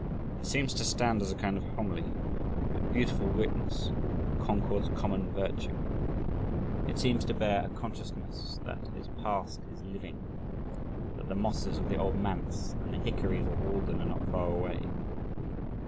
It seems to stand as a kind of homely but beautiful witness of Concord's common virtue it seems to bear a consciousness that its past is LIVING, that the "mosses of the Old Manse" and the hickories of Walden are not far away.